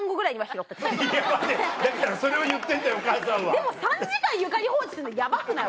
でも３時間床に放置するのヤバくない？